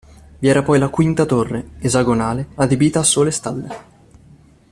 Vi era poi la quinta torre, esagonale, adibita a sole stalle.